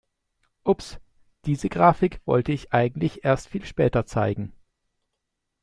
Ups, diese Grafik wollte ich eigentlich erst viel später zeigen.